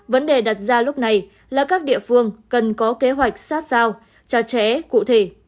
vấn đề đặt ra lúc này là các địa phương cần có kế hoạch sát sao cho trẻ cụ thể